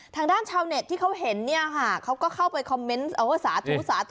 ทางด้านชาวเน็ตที่เขาเห็นเนี่ยค่ะเขาก็เข้าไปคอมเมนต์สาธุสาธุ